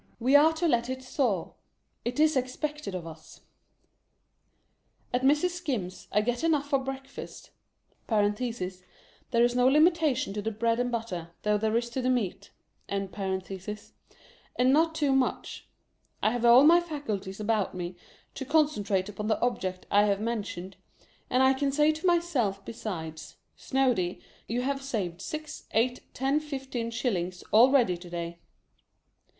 We are to let it soar. It is expected of us. At Mrs. Skim's, I get enough for breakfast (there is no limitation to the bread and butter, though there is to the meat), and not too much. I have all my faculties about me, to concentrate upon the object I have mentioned, and can say to myself besides, " Snoady, you have saved six, eight, ten, fifteen, shillings, already to day.